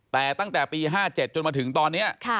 แต่ตั้งแต่ปี๕๗จนมาถึงตอนนี้